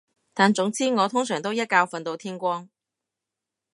但總之我通常都一覺瞓到天光